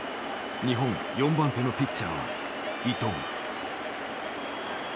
日本４番手のピッチャーは伊藤。